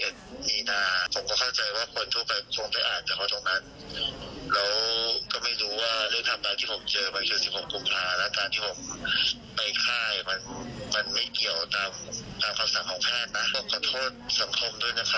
สิ่งทำตัวไม่ถูกสิ่งว่าไปหาหมอแล้วหมอบอกอย่างนี้